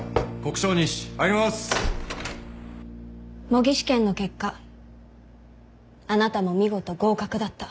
模擬試験の結果あなたも見事合格だった。